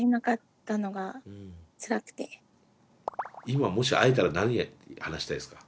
今もし会えたら何話したいですか。